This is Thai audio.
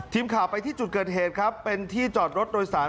ทีมข่าวไปที่จุดเกิดเหตุครับเป็นที่จอดรถโดยสาร